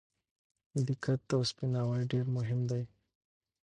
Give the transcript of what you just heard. دقت او سپیناوی ډېر مهم دي.